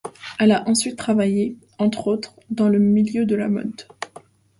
Elle a ensuite travaillé, entre autres, dans le milieu de la mode.